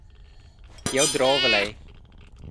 Jeu drovel ei.